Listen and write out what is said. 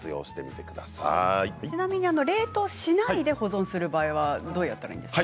ちなみに冷凍しないで保存する場合はどうやったらいいんですか。